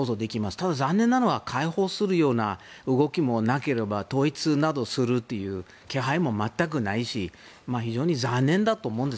ただ残念なのは解放するような動きもなければ統一などをする気配も全くないし非常に残念だと思うんです。